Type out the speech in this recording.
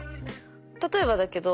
例えばだけど。